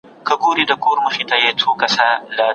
آیا موږ خپل راتلونکی پلانولی سو؟